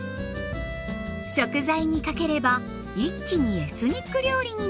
食材にかければ一気にエスニック料理になります。